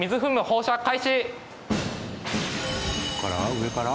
上から？